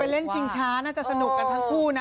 เล่นชิงช้าน่าจะสนุกกันทั้งคู่นะ